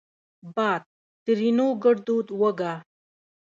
باد؛ ترينو ګړدود وګا